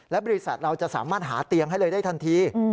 บริษัทเราจะสามารถหาเตียงให้เลยได้ทันที